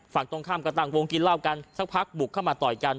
ฝั่งตรงข้ามก็ตั้งวงกินเหล้ากันสักพักบุกเข้ามาต่อยกัน